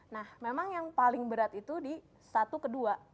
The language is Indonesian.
nah memang yang paling berat itu di satu kedua